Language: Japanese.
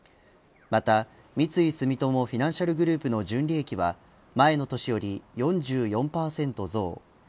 また、三井住友フィナンシャルグループの純利益は前の年より４４％増。